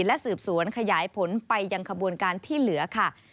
และสืบสวนขยายผลไปยังขบวนการที่เหลือค่ะ